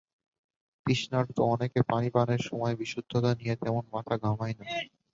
তৃষ্ণার্ত অনেকে পানি পানের সময় বিশুদ্ধতা নিয়ে তেমন মাথা ঘামায় না।